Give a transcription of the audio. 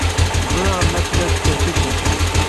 Ẓriɣ llant la skerkisent!